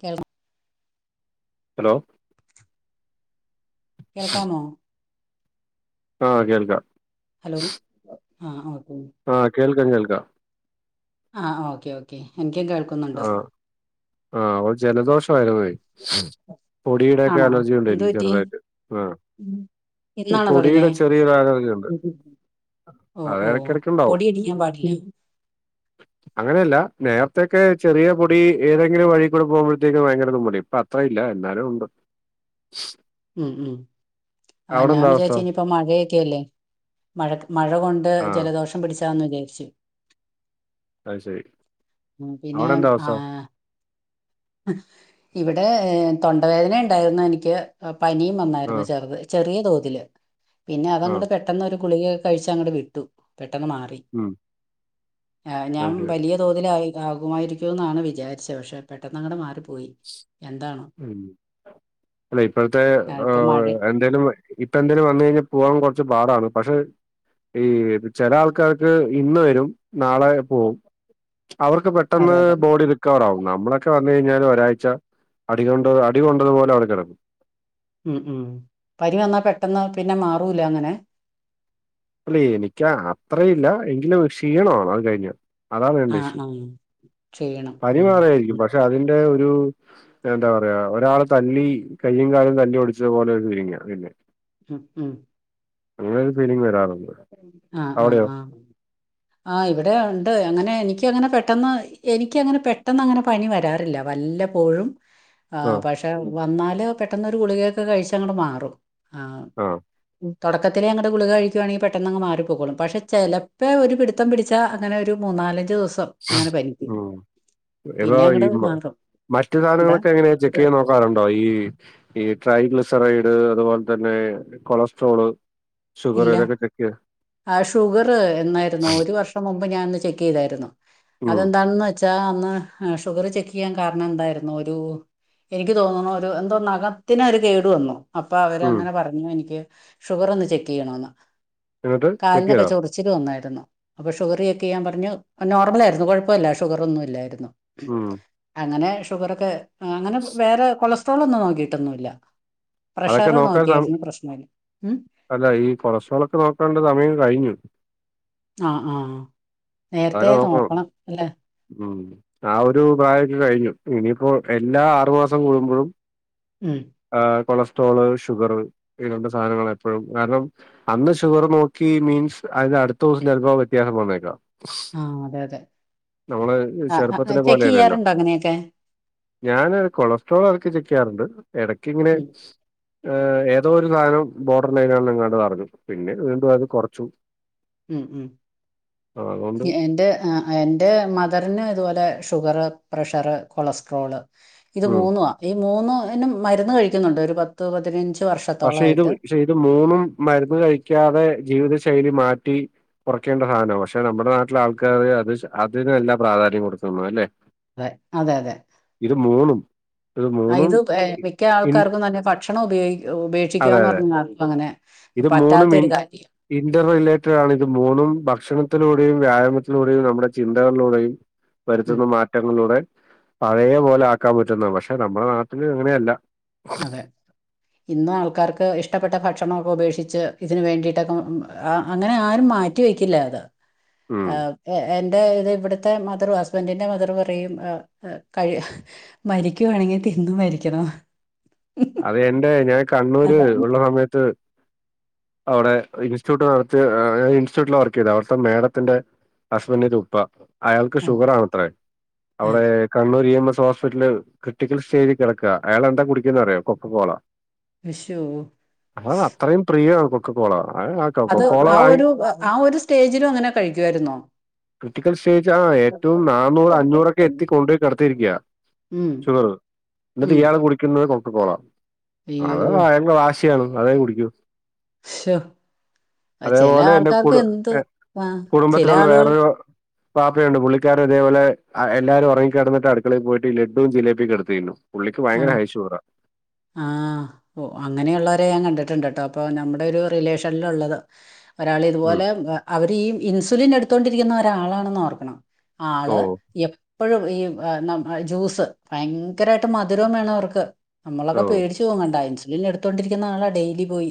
കേൾ hello. കേൾക്കാമോ? ആഹ് കേൾക്കാം. ഹലോ ആഹ് ഒകെ ആഹ് കേൾക്കാം കേൾക്കാം ആഹ് ഓക്കേ ഓക്കേ എനിക്കും കേൾക്കുന്നുണ്ട് ആഹ് ആഹ് ഒരു ജലദോഷം ആരുന്നേ- പൊടിയുടെക്കെ ആണോ അലർജി ഉണ്ട് എന്തു എനിക്ക് പറ്റി ചെറുതായിട്ട് ആഹ്. ഈ ഇന്നാണോ പൊടിയുടെ തുടങ്ങിയേ ചെറിയൊരു അലർജി ഉണ്ട് അത് ഓഹോ ഇടയ്ക്കിടയ്ക്കുണ്ടാവും പൊടി അടിക്കാൻ പാടില്ലേ അങ്ങനെയല്ല നേരത്തെേ- ഒക്കെ ചെറിയ പൊടി ഏതെങ്കിലും വഴി കൂടെ പോക്മ്പഴത്തേക്കും ഭയങ്കരതുമ്മല് ഇപ്പൊ അത്ര ഇല്ല എന്നാലും ഉണ്ട് ശ്.. മ് മ് ആഹ്! ഞാൻ അവസ്ഥ വിചാരിച്ച് ഇനീപ്പം മഴയക്കല്ലേ മഴ മഴകൊണ്ട് ആഹ് ജലദോഷം പിടിച്ചെയാന്നു വിചാരിച്ചു അത് ശരി പിന്നെ അവിടെ എന്താ അവസ്ഥ ആഹ്! ഇവിടെ തൊണ്ടവേദന ഉണ്ടായിരുന്നു എനിക്ക് പനിയും വന്നായിരുന്നു ആഹ് ചെറുത് ചെറിയ തോതില് പിന്നെ ആഹ് അതങ്ങ്ട് പെട്ടെന്ന് ഒരു ഗുളികക്കെ കഴിച്ച് അങ്ങട് വിട്ടു പെട്ടെന്ന് മാറി- ഉം ആഹ് അത് ഞാൻ ശരി വലിയ തോതിൽ ആകുമായിരിക്കും എന്നാണ് വിചാരിച്ചത് പക്ഷെ പെ- പെട്ടന്ന് അങ്ങട് മാറിപ്പോയി ഉ. അല്ല ഇപ്പോഴത്തെ ആ ഇപ്പൊ മഴ എന്തേലും ഇപ്പ എന്തേലും വന്ന് കഴിഞ്ഞാൽ പോവാൻ കൊറച്ച് പാടാണ് പക്ഷെ- ഈ ചെല ആൾക്കാർക്ക് ഇന്ന് വരും നാളെ പോകും അവർക്ക് പെ- അതെ പെട്ടെന്ന് അതെ ബോഡി റിക്കവറാകും നമ്മളൊക്കെ വന്നു കിഞ്ഞാൽ ഒരാഴ്ച- അടികൊ അടികൊണ്ടത്പോലെ അവിടെ കിടക്കും ഉം ഉം പനി വന്നാൽ പെട്ടെന്ന് അത് പിന്നെ മാറൂല അങ്ങനെ അല്ല എനിക്ക് അത്രയില്ല എങ്കിലും ക്ഷീണാണ് അത് കഴിഞ്ഞ അതാണ് മെയിൻ ആ ഇഷ്യു ആ ചെയ്യണം ഉം പനിമാറു ആയിരിക്കും ഉം പക്ഷെ അതിന്റെ ഒരു- എന്താ പറയാ ഒരാള് തല്ലി കയ്യും കാലും തല്ലി ഒടിച്ചത് പോലെ വിരുങ്ങ പിന്നെ ഉം ഉം അങ്ങനെ ഒരു ഫീലിംഗ് വരാറുണ്ട് ആഹ്! ആഹ്! അവിടെയോ ആഹ്! ആഹ് ഇവിടെ ഉണ്ട് അങ്ങനെ എനിക്കങ്ങനെ പെട്ടെന്ന് എനിക്കങ്ങനെ പെട്ടെന്ന് അങ്ങനെ പനി വരാറില്ല വല്ലപ്പോഴും ആ ആഹ് പക്ഷെ വന്നാല് പെട്ടെന്ന് ഒരു ഗുളികയൊക്കെ കഴിച്ച അങ്ങട് മാറും ആഹ് ആഹ് തൊടക്കത്തിലെ അങ്ങട് ഗുളിക കഴിക്കുകയാണെങ്കി പെ - പെട്ടെന്ന്ങ്ങ് മാറിപ്പൊക്കോളും പക്ഷേ ചിലപ്പോൾ ഒരു പിടിത്തം പിടിച്ചാൽ അങ്ങനെ ഒരു മൂന്ന നാലഞ്ച് ദിവസം അങ്ങനെ പനിക്കും ഏതോ പിന്നെ ഈ അങ്ങട് മാറും. മറ്റു എന്താ? സാധനങ്ങളൊക്കെ എങ്ങനെയാ ചെക്ക് ചെയ്ത് നോക്കാറുണ്ടോ ഈ ഈ ട്രൈഗ്ലിസെറൈഡ് അതുപോലെ തന്നെ കൊളസ്ട്രോള് ഷുഗർ ഇല്ല ഇതൊക്കെ ചെക്ക് ചെയ്ത് ആഹ് ഷുഗർ എന്നായിരുന്നു ഒരു വർഷം മുമ്പ് ഞാൻ ഒന്ന് ചെക്ക് ചെയ്തായിരുന്നു ഉം അതെന്താണെന്ന് വെച്ചാ അന്ന് ഷുഗർ ചെക്ക് ചെയ്യാൻ കാരണം എന്തായിരുന്നു ഒരു എനിക്ക് തോന്നുന്നു ഒരു എന്തോ നഖത്തിനൊരു കേട് വന്നു അപ്പൊ ഉം അവരങ്ങനെ പറഞ്ഞു എനിക്ക് ഷുഗർ ഒന്ന് ചെക്ക് ചെയ്യണന്ന് എന്നിട്ട് ചെക്ക് കാലിനൊക്കെ ചെയ്തോ ചോ- റിച്ചില് വന്നായിരുന്നു അപ്പ ഷുഗറ് ചെക്ക് ചെയ്യാൻ പറഞ്ഞു നോർമലായിയിരുന്നു കുഴപ്പമില്ല ഷുഗർ ഒന്നുമില്ലായിരുന്നു ഉം. അങ്ങനെ ഷുഗറൊക്കെ അങ്ങനെ വേറെ കൊളസ്ട്രോളൊന്നും നോക്കിട്ടൊന്നുയില്ല അതൊക്കെ പ്രഷറ് നോക്കാൻ സമ നോക്കിയായിരുന്നു പ്രശ്നമില്ല അല്ല ഈ കൊളസ്ട്രോളൊക്കെ നോക്കാണ്ട് സമയം കഴിഞ്ഞു ആഹ് ആഹ് നേരത്തെ അതൊക്കെ നോക്കണം ഇല്ലേ ഉം ആഹ് ഒരു പ്രായക്കെ കഴിഞ്ഞു ഇനിയിപ്പോ എല്ലാ ആറുമാസം കൂടുമ്പോഴും. ഉം. ആഹ് കൊളസ്ട്രോള് ഷുഗറ് ഈരണ്ട് സാധനങ്ങൾ എപ്പോഴും കാരണം. അന്ന് ഷുഗർ നോക്കി മീൻസ് അത് അടുത്ത ദിവ്സോം ചെൽപ്പോ വ്ത്യാസം വന്നേക്കാം. ആ അതെ അതെ നമ്മള് ആ ചെറുപ്പത്തിലെ ചെക്ക് പോലെയലല്ലോ. ചെയ്യാറുണ്ടോ അങ്ങനെയൊക്കെ ഞാന് കൊളസ്ട്രോൾ എടക്ക്‌ ചെക്കെയാറുണ്ട് എടക്ക്ങ്ങനെ. ഉം ഏഹ് ഏതോരുസാനം ബോർഡർ ലൈനാണ് എന്ന്ങ്ങാണ്ടോ പറഞ്ഞു പിന്നെ വീണ്ടും അത് കൊർച്ചു. ഉം ഉം അതുകൊണ്ട് എഹ് എന്റെ ആഹ്. എൻ്റെ മദർന് ഇത്പോലെ ഷുഗറ് പ്രഷറ് കൊളസ്ട്രോള് ഇത് ഉം മൂന്നും ആഹ് ഈ മൂന്ന്നും മരുന്ന് കഴിക്കുന്നുണ്ട് ഒര് പത്ത് പതിനഞ്ച് വർഷം. പഷെ ഇത് ഷെ ഇത് മൂന്നും മരുന്ന് കഴിക്കാതെ ജീവിത ശൈലി മാറ്റി കൊറയ്ക്കേണ്ട സാനവ പഷെ നമ്മ്ടെ നാട്ടിലെ ആൾക്കാര് അത് ശ അതിന് അല്ല പ്രാധാന്യം കൊടുക്ക്ന്ന്ല്ലെ. തെ അതെ അതെ ആഹ് മൂന്നും ഇത് എഹ് ഇ- മിക്ക ഇൻ ആൾക്കാർക്കും തന്നെ കട്ട് ഭക്ഷണം ഉപേ അതെ ഉപേക്ഷിക്കാന്ന് അതെ പറഞ്ഞാൽ അങ്ങനെ. ഇത് മൂന്ന് പറ്റാത്ത മീൻ ഒരു കാര്യം ഇന്റർറിലേറ്റഡ് ആണ് ഇത് മൂന്നും ഭക്ഷണത്തിലൂടെയും വ്യായാമത്തിലൂടെയും നമ്മുടെ ചിന്തകളിലൂടെയും. ഉം വര്ത്തുന്ന മാറ്റങ്ങളിലൂടെ പഴയ പോലെ ആക്കാൻ പറ്റുന്ന പക്ഷെ നമ്മുടെ നാട്ടില് അങ്ങനെയല്ല. അതെ. ഇന്ന് ആൾക്കാര്ക്ക് ഇഷ്ടപ്പെട്ട ഭക്ഷണോക്കെ ഉപേക്ഷിച്ച് ഇതിന് വേണ്ടിയിട്ടൊക്കെ അങ്ങനെ ആരും മാറ്റ് റ്റിവെക്കില്ല അത് ഉം ആഹ്. എന്റെ ഇത് ഇവിടുത്തെ മദറ് ഹസ്ബന്റിന്റെ മദറ് പറയും എഹ് എഹ് കയ് മരിക്കുവാണെങ്കി തിന്ന് മരിക്കണം അത് എന്റെ ഞാൻ കണ്ണൂര് ഉള്ള സമയത്ത്. അവ്ടെ ഇൻസ്റ്റിറ്റ്യൂട്ട് നടത്തിയ ഏഹ് ഇൻസ്റ്റിറ്റ്യൂട്ടില് വർക്കെയ്തെ അവ്ടുത്തെ മേഡത്തിന്റെ. ഹുസ്ബൻഡ്ന്റ ഉപ്പ അയാൾക്ക് ആഹ് ആഹ് ഷുഗറാണത്രെ. അവ്ടെ ആഹ് Kannur E M S ഹോസ്പിറ്റല്ല് critical സ്റ്റേജിൽ കെടക്ക അയാൾ എന്താ കുടിക്കുന്നേ അറിയൊ? കൊക്കകോള വിഷു ആഹ് അത്രയും പ്രിയാം ആണ് കൊക്കകോള ആയക് അത് ആഹ് ഒരു ആഹ് ഒരു സ്റ്റേജിലും അങ്ങനെ കഴിക്കുവായിരുന്നോ? ക്രിറ്റിക്കൽ സ്റ്റേജ് ആഹ് ഏറ്റവും നന്നൂറ് അഞ്ഞൂറൊക്കെ എത്തി കൊണ്ട്പോയി കെടത്തിരിക്ക്യ. ഉം. ന്ന്ട്ട് ഉം ഇയാള് കുടിക്കുന്നത് കൊക്കക്കോള അയ്യോ അത് അയാളുടെ വാശിയാണ് അതേ കുടിക്കൂ. ശൊ. അതേപോലെ എന്റെ കുട് എഹ് ആഹ് ചില കുടുംബത്തിലുള്ള ആളുകൾ വേറൊരു പാപ്പയുണ്ട് പുള്ളിക്കാരും ഇതേപോലെ എല്ലാരും ഒറങ്ങിക്കെടന്ന്ട്ട് അടുക്കളയി പോയിട്ട് ലഡും ജിലേബിയൊക്കെടുത്ത് തിന്നും പുള്ളിക്ക് ഭയങ്കര ആഹ് ഹൈ ഷുഗർ ആഹ് ആഹ്. ഒ അങ്ങനെയുള്ളവരെ ഞാൻ കണ്ടിട്ടുണ്ട്ട്ടോ അപ്പൊ നമ്മടെ ഒരു റിലേഷന്ൽ ഉള്ളത. ഒരാള് ഉം. ഇതുപോലെ അവര് ഈ ഇൻസുലിൻ എടുത്തോണ്ടിരിക്കുന്ന ഒരാളാണെന്ന് ഓർക്കണം. ഓ ആള് എപ്പോഴും ഈ എ ന്ന ജ്യൂസ് ഭയങ്കരട് ട്ട് മധുരോം വേണം അവർക്ക് ന്നമ്മളൊക്കെ ഓ പേടിച്ച് പോവും കണ്ട ഇൻസുലിൻ എടുത്തോണ്ടിരിക്കുന്ന ആളാ ഡെയിലി പോയി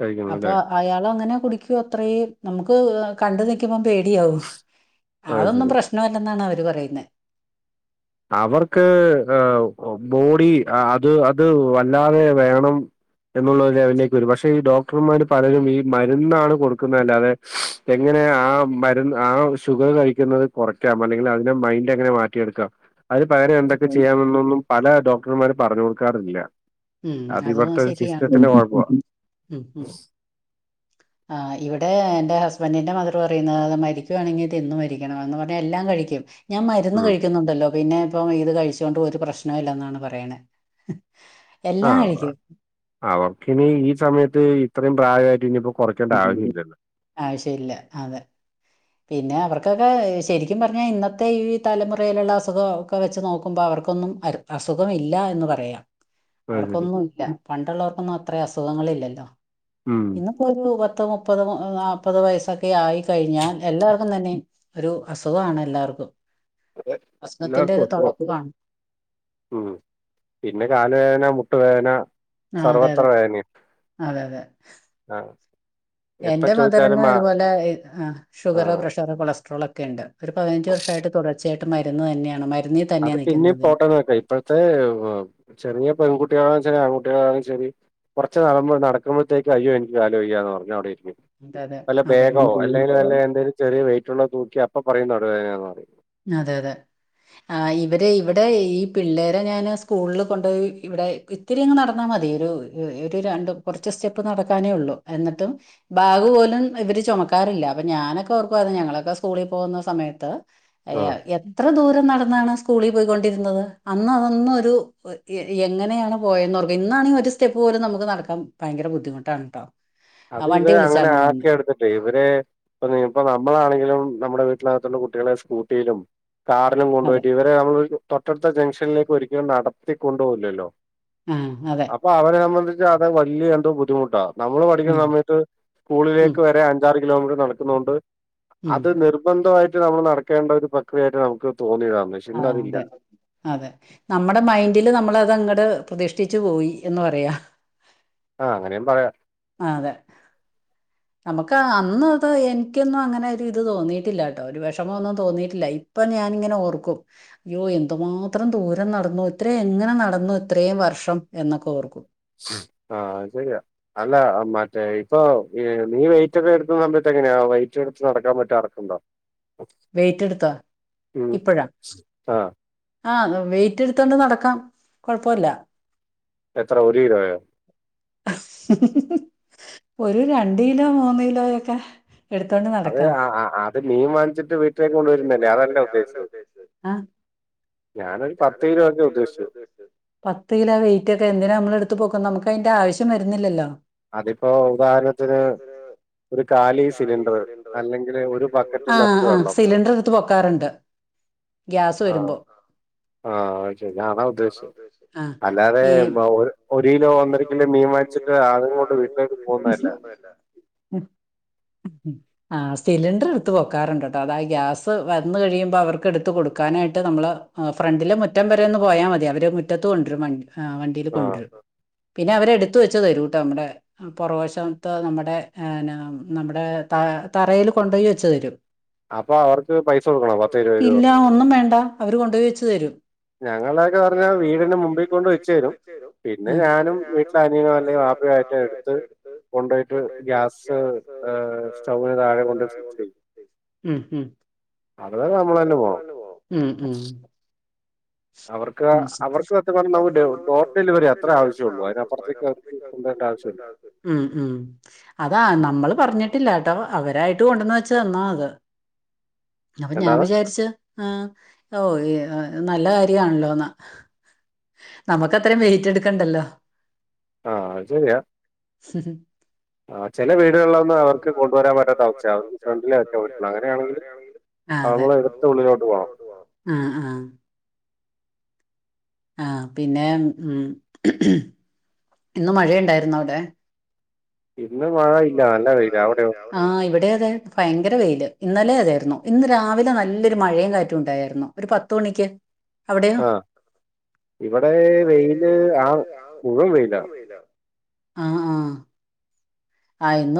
കഴിക്കുന്നുണ്ട് അപ്പൊ അയാളും അങ്ങന കുടിക്കു ആത്രം നമുക്ക് കണ്ട് നിക്കുമ്പോം പേടിയാവും അത് അതൊന്നും ശരി. പ്രശ്നമല്ലെന്നാണ് അവര് പറയുന്നെ. അവർക്ക് എഹ് ബോഡി അഹ് അത് അത് വല്ലാതെ വേണം. എന്ന് ഉളോര് ലെവലിലേക്ക് വരും പക്ഷെ ഈ ഡോക്ടർമാർ പലരും ഈ മരുന്നാണ് കൊടുക്കുന്നതല്ലാതെ. എങ്ങനെ ആഹ് മരുന്ന് ആഹ് ഷുഗർ കഴിക്കുന്നത് കുറയ്ക്കാം അല്ലെങ്കിൽ അതിനെ മൈൻഡ് എങ്ങനെ മാറ്റിയെടുക്കാം. അയ്ന് പകരം എന്തൊക്കെ ചെയ്യാമെന്നൊന്നും പല ഡോക്ടർമാര് പറഞ്ഞ് കൊടുക്കാറില്ല. ഉം അത് അതും ഇവിടുത്തൊരു ശരിയാണ് സിസ്റ്റത്തിന്റ കൊഴപ്പവാ. ഉം ഉം ആഹ് ഇവടെ എന്റെ ഹസ്ബൻന്റിന്റെ മതർ പറയുന്നെ മരിക്കുയാണെങ്കി തിന്ന് മരിക്കണം എന്ന് പറഞ്ഞ എല്ലാം കഴിക്കും. ഞാൻ മരുന്ന് ഉം. കഴിക്കുന്നുണ്ടല്ലോ പിന്നെപ്പേം ഇത് കഴിച്ചോണ്ട് ഒര് പ്രശ്നോം ഇല്ലന്നാണ് പറയണേ. എല്ലാം ആഹ് കഴിക്കും അവർക്കിന ഈ സമയത്ത് ഇത്രയും പ്രായമായിട്ട് ഇനിപ്പോ കുറക്കേണ്ട ആവശ്യം ഇല്ലല്ലോ ആവശ്യല്ല അതെ പിന്നെ അവർക്കൊക്കെ ശരിക്കും പർഞ്ഞാ ഇന്നത്തെ ഈ തലമുറയിലുള്ള അസുഖൊ ക്കെ വെച്ച് നോക്കുമ്പോ അവർക്കൊന്നും അര് അസുഖമില്ല എന്ന് പറയാ. അത് ശരി. അവർക്കൊന്നുംല്ല പണ്ട്ള്ളോർക്കൊന്നും അത്ര അസുഖങ്ങള്ല്ലല്ല. ഉം പ്പ ഒരു പത്ത്, മുപ്പത്, നാല്പ്പത് വയസ്സൊക്കെ ആയി കഴിഞ്ഞാ എല്ലാവർക്കും തന്നെ ഒരു അസുഖാണ് എല്ലാർക്കും ഏഹ് എല്ലാർക്കും അസുഖോ? ഉം പിന്നെ കാൽ വേദന, മുട്ടുവേദന ആഹ് അതെ സർവത്ര അതെ വേദനയും. അതെ അതെ ആഹ് എപ്പ എന്റെ ചോദിച്ചാലും മദറിന് ആ ഇതുപോലെ ഷുഗറ്, ആഹ് പ്രഷറ്, കൊളസ്ട്രോൾ ക്കെ ണ്ട്. ഒരു പതിനഞ്ച് വർഷായിട്ട് തൊടർച്ചയായിട്ട് മര്ന്ന് തന്നെയാണ് മര്ന്നി അത് പിന്നിം പോട്ട വെക്ക ഇപ്പഴത്തെ ചെറിയ പെൺകുട്ടികള ചെറിയ ആൺകുട്ടികളാച്ചാൽ കൊർച്ച് നടന്ന് നടക്ക്മ്പോത്തേക്ക് അയ്യോ എനിക്ക് കാല് വയ്യാ ന്ന് പർഞ്ഞ് അഒടെ ഇര്ക്കും. അതെ അതെ വല്ല അതെ ബേഗോ അല്ലെൽ വല്ല എന്തെലും ചെറിയ വെയിറ്റ് ള്ള തൂക്ക്യാ അപ്പ പറിം നടുവേനാന്ന് പറിം. അതെ അതെ ആ ഇവര് ഇവ്ടെ ഈ പിള്ളേരെ ഞാൻ സ്കൂള് കൊണ്ടോയി ഇവ്ടെ ക് ഇത്തിരി അങ്ങ് നടന്നാ മതി ഒരു ഒരു രണ്ടും കൊർച്ച് സ്റ്റെപ്പ് നടക്കാനേ ഉള്ളൂ എന്നട്ടും ബാഗ് പോലും ഇവര് ചൊമക്കാറില്ല. അപ്പൊ ഞാനൊക്കെ ഓർക്കുയിരുന്നു ഞങ്ങളക്കെ സ്കൂളി പോകുന്ന സമയത്ത് എ ആഹ് എത്ര ദൂരം നടന്നാണ് സ്കൂളി പോയികൊണ്ടിരുന്നത് അന്ന് അതന്നൊരു എങ്ങനെയാണ് പോയെന്ന ഓർക്ക ഇന്നാണെങ്കി ഒരു സ്റ്റെപ്പ് പോലും നമ്മക്ക് നടക്കാൻ ഭയങ്കര ബുദ്ധിമുട്ടാണ് ട്ടോ. അത് ഇവര് അങ്ങനെ ആക്കി എടുത്ത് ഇവരെ [unintelligible] ഇപ്പോ നമ്മളാണെങ്കിലും നമ്മുടെ വീട്ടിനകത്തുള്ള കുട്ട്യളെ സ്കൂട്ടിയിലും കാർലും അതെ കൊണ്ടോയിട്ട് ഇവരെ നമ്മൾ തൊട്ടടുത്ത ജംഗ്ഷനിലേക്ക് ഒരിക്കലും നടത്തി കൊണ്ടോവുലല്ലോ. ആഹ് അതെ പ്പ അവരെ സംബന്ധിച്ച് അത് വല്യ എന്തോ ബുദ്ധിമുട്ടാ. നമ്മള് ഉം പഠിക്കുന്ന സമയത്ത് ഉം സ്കൂളിലേക്ക് വരെ അ അഞ്ചാറ് കിലോമീറ്റർ നടക്കുന്നോണ്ട് ഉം അത് നിർബന്ധമായിട്ട് നമ്മൾ നട ക്കേണ്ട ഒരു പ്രക്രിയട്ട് നമുക്ക് തോന്നിയതാന്ന്. ആഹ് അതെ അതെ നമ്മടെ മൈൻഡില് നമ്മൾ അത് അങ്ങട് പ്രതിഷ്ഠിച്ചു പോയി എന്ന് പറയാ. ആഹ് അങ്ങനേ പറയാ. ആഹ് അതെ [inaudible] നമ്മക്ക് അന്ന് ത് എനിക്കൊന്നും അങ്ങനെ ഒരു ഇത് തോന്നിയിട്ടില്ല ട്ടോ. ഒരു വെഷമം ഒന്നും തോന്നിയിട്ടില്ല ഇ ഇപ്പ ഞാന് ങ്ങനെ ഓർക്കും. യ്യോ എന്തുമാത്രം ദൂരം നടന്നു ഇത്രേം എങ്ങനെ നടന്നു ഇത്രേം വർഷം എന്നൊക്കെ ഓർക്കും. ആഹ് ശര്യ. അല്ല മറ്റേ ഇപ്പൊ ഏഹ് നീ വെയിറ്റ് ഒക്കെ എട്ത്ത് മാറുമ്പോത്തെ ങ്ങനെയാ വയിറ്റ് എട്ത്ത് നടക്കാൻ പറ്റാ റക്കണ്ടോ? [inaudible] വെയിറ്റ്ട്ത്താ ഇപ്പഴാ? ആ ആഹ് വെയിറ്റ് എടുത്തോണ്ട് നടക്കാം കൊഴപ്പോല്ല. എത്ര ഒര് കിലോയ? ഒരു രണ്ട് കിലോ മൂന്ന് കിലോയ ക്കെ. അത് ആഹ് ആഹ് ആഹ് അത് മീൻ വാങ്ങിച്ച്ട്ട് വീട്ടിലേക്ക് കൊണ്ടുവരുന്നല്ലേ. അതല്ല ഉദ്ദേശിച്ചേ? ആ ഞാനൊരു പത്ത് കിലോക്കെ ഉദ്ദേശിച്ചത്. പത്ത് കിലോ വെയിറ്റ് ഒക്കെ എന്തിനാ നമ്മൾ എടുത്ത് പൊക്കുന്നേ? നമ്മക്ക് അയിന്റെ ആവശ്യം വര്ന്നില്ലല്ലോ. അതിപ്പോ ഉദാഹരണത്ത്ന് ഒരു കാലി സിലിണ്ടറ് അല്ലെങ്കിൽ അല്ലങ്കില് ഒരു ബക്കറ്റ് ആഹ് നിറച്ച് വെള്ളം ആഹ് സിലിണ്ടർ ട്ത്ത് പൊക്കാറുണ്ട്. ഗ്യാസ് വരുമ്പോ ആഹ് ആയ് [unintelligible] ഉദ്ദേശിച്ചേ ആ അല്ലാതെ ഈ മ ഒര് ഒരു കിലോ ഒന്നര കിലോ മീൻ വാങ്ങിച്ചിട്ട് ആണ്. വീട്ടിലേക്ക് പോകുന്നതല്ല. ഉ ഉ ആ സിലിണ്ടർ എടുത്ത് പൊക്കാറുണ്ട് കേട്ടോ അതാ ഗ്യാസ് വന്നു കഴിയുമ്പോ അവർക്ക് എടുത്ത് കൊടുക്കാനായിട്ട് നമ്മള്. ഫ്രണ്ടില് മുറ്റം വരെ ഒന്ന് പോയാൽ മതി അവര് മുറ്റത്തത്ത് കൊണ്ടൊ രും വണ്ടില് ആഹ് കൊണ്ടുരും. പിന്നെ അവരെ എടുത്ത വെച്ച തരൂട്ടോ നമ്മടെ. പുറവശത്ത് നമ്മുടെ നമ്മുടെ ത തറയിൽ കൊണ്ടപയി വെച്ചു തരും. അപ്പൊ അവർക്ക് പൈസ കൊടുക്കണോ പതോരുപതോ രൂപ? ഇല്ല ഒന്നും വേണ്ട അവര് കൊണ്ടുയി വച്ചു തരും. ഞങ്ങളൊക്കെ പറഞ്ഞാ വീടിനെ മുമ്പിൽ കൊണ്ട് വെച്ചു തരും പിന്നെ ആ ഞാനും [unintelligible] ആട്ടോ എടുത്ത് കൊണ്ടപോയിട്ട് ഗ്യാസ് ഹ അവര് തഴെ കൊണ്ട് ഫിക്സ്യ്യും. ഉം ഹം. അവി നമ്മള്ളന്നെ പോണം. ഉം ഉം അവർക്ക് ഉം അവർക്ക് സത്യം പറഞ്ഞ നമുക്ക് ഹോം ഡെലിവറി അത്ര ആവശ്യുള്ളൂ അതിനപ്പുറത്തേക്ക് [unintelligible] ആവശ്യമില്ല. ഉം ഉം അതാ നമ്മള് പറഞ്ഞിട്ടില്ലട്ടോ അവരായിട്ട് കൊണ്ടുവന്ന് വെച്ച തന്നാത്. അപ്പൊ ഞാൻ എന്താണ് വിചാരിച്ച [unintelligible] നല്ല കാര്യമാണല്ലോന്ന് നമുക്ക് അത്രയും വെയിറ്റ് എടുക്കണ്ടല്ലോ? ആഹ അത് ശരിയാ. ഹ ഹ് ആ ചില വീടുകളിലൊന്നും അവർക്ക് കൊണ്ടുവരാൻ പറ്റാത്തവശ്യ അവർക്ക് ഫ്രണ്ടിലേ ഒക്കെ പോയിട്ടുള്ളൂ അങ്ങനെയാണെങ്കില്. ആ നമ്മള്ടുത്ത ഉള്ളിലോട്ട് പോണം. ആ അ. ആഹ പിന്നെ ഉ ഇന്ന് മഴയുണ്ടായിരുന്നോ അവിടെ? ഇന്ന് മഴ ഇല്ല നല്ലവെയലാ അവിട് യോ? ആഹ ഇവിടെ അതെ ഭയങ്കര വെയിയില് ഇന്നലെ അതായിരുന്നു ഇന്ന് രാവിലെ നല്ലൊരു മഴയും കാറ്റുംണ്ടായിരുന്നു. ഒരു പത്ത മണിക്ക്. അവിടെയോ ആ ഇവിടെ വെയില് ആ മുഴുവൻ വെയിലാണ്. ആ ആഹ ആയിരുന്നു.